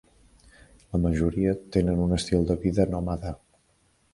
La majoria tenen un estil de vida nòmada.